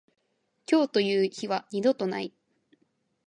今日という日は二度とない。